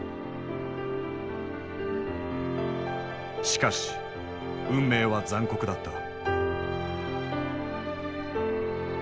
しかし運命は残酷だった。